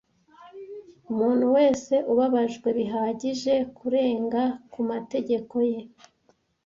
umuntu wese ubabajwe bihagije kurenga ku mategeko ye